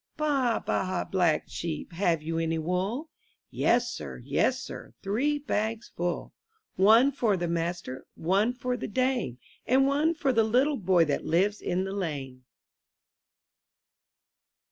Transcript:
44 I N THE NURSERY D AA, baa, black sheep, have you any wool? ■^ Yes sir, yes sir, three bags full; One for the master, one for the dame, And one for the little boy that lives in the lane.